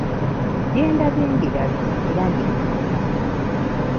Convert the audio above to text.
Bye ndabye mbirabye era mbinyeenyeza mutwe.